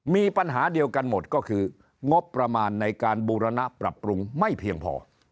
มีปัญหาเดียวกันหมดก็คืองบประมาณในการบูรณะปรับปรุงไม่เพียงพอ